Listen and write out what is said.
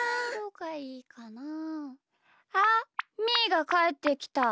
あっみーがかえってきた。